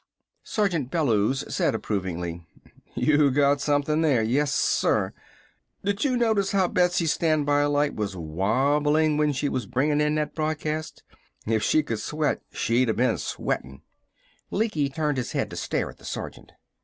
Sergeant Bellews said approvingly: "You got something there! Yes, sir! Did you notice how Betsy's standby light was wabbling while she was bringin' in that broadcast? If she could sweat, she'd've been sweating!" Lecky turned his head to stare at the sergeant.